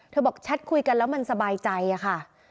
บอกแชทคุยกันแล้วมันสบายใจอะค่ะ